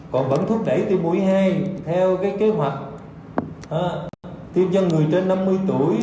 còn vẫn thúc đẩy tiêm mũi hai theo kế hoạch tiêm dân người trên năm mươi tuổi